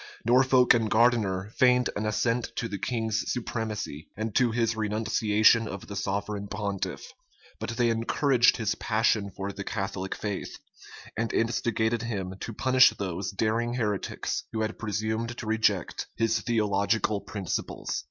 Norfolk and Gardiner feigned an assent to the king's supremacy, and to his renunciation of the sovereign pontiff; but they encouraged his passion for the Catholic faith, and instigated him to punish those daring heretics who had presumed to reject his theological principles.